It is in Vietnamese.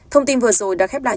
thông tin vừa rồi đã khép lại